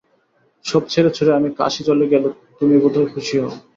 সব ছেড়েছুড়ে আমি কাশী চলে গেলে তমি বোধহয় খুশি হও?